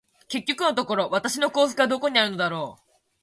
結局のところ、私の幸福はどこにあるのだろう。